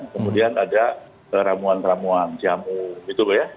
kemudian ada ramuan ramuan jamu gitu loh ya